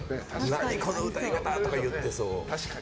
何この歌い方とか言ってそう。